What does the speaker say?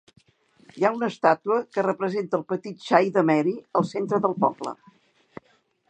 Hi ha una estàtua que representa el petit xai de Mary al centre del poble.